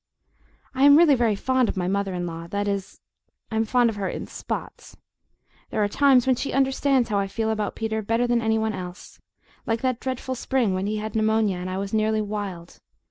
I am really very fond of my mother in law that is, I am fond of her IN SPOTS. There are times when she understands how I feel about Peter better than any one else like that dreadful spring when he had pneumonia and I was nearly wild.